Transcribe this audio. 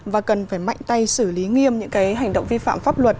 và cần phải mạnh tay xử lý nghiêm những hành động vi phạm pháp luật